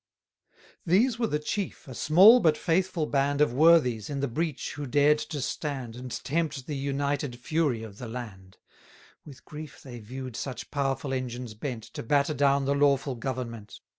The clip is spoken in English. These were the chief, a small but faithful band Of worthies, in the breach who dared to stand, And tempt the united fury of the land: With grief they view'd such powerful engines bent, To batter down the lawful government.